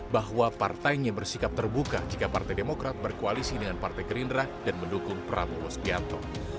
bahwa partainya bersikap terbuka jika partai demokrat berkoalisi dengan partai gerindra dan mendukung prabowo sbianto